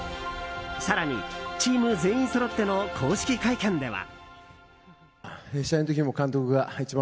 更に、チーム全員そろっての公式会見では。